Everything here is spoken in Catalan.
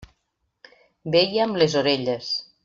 Veia amb les orelles.